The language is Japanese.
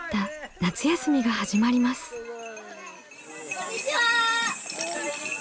こんにちは。